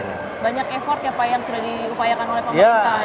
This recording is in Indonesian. ada banyak effort ya pak yang sudah diupayakan oleh pemerintah